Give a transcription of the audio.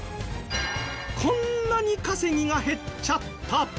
こんなに稼ぎが減っちゃった